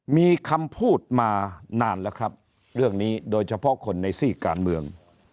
มีคำพูดมานานแล้วครับเรื่องนี้โดยเฉพาะคนในซีกการเมือง